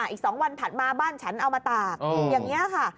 อีก๒วันถัดมาบ้านฉันเอามาตากอย่างนี้ค่ะ